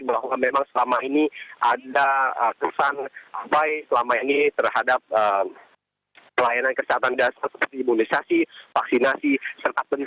bahwa memang selama ini ada kesan apa yang terhadap pelayanan kesehatan dasar seperti imunisasi vaksinasi serta penyelidikan